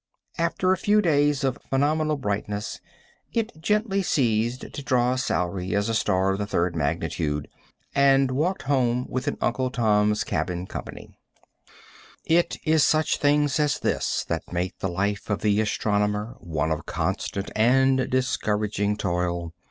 After a few days of phenomenal brightness, it gently ceased to draw a salary as a star of the third magnitude, and walked home with an Uncle Tom's Cabin company. [Illustration: A NIGHTLY VIGIL.] It is such things as this that make the life of the astronomer one of constant and discouraging toil.